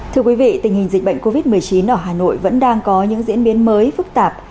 thưa quý vị tình hình dịch bệnh covid một mươi chín ở hà nội vẫn đang có những diễn biến mới phức tạp